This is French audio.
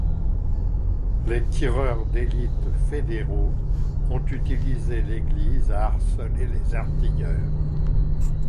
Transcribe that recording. Les tireurs d'élite fédéraux ont utilisé l'église à harceler les artilleurs.